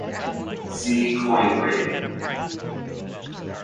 See coin grading.